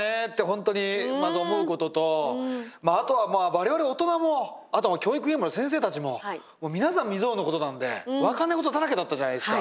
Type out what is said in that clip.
本当に思うこととあとは我々大人もあと教育現場の先生たちも皆さん未曽有のことなので分からないことだらけだったじゃないですか。